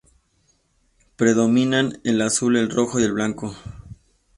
Predominan el azul, el rojo y el blanco.